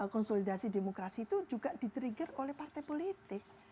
konsolidasi demokrasi itu juga di trigger oleh partai politik